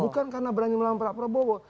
bukan karena berani melawan pak prabowo